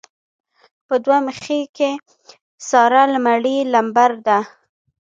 په دوه مخۍ کې ساره لمړی لمبر ده.